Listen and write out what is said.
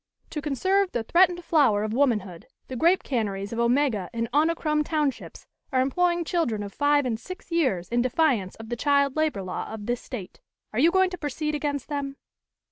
"To conserve the threatened flower of womanhood, the grape canneries of Omega and Onicrom Townships are employing children of five and six years in defiance of the Child Labor Law of this State. Are you going to proceed against them?"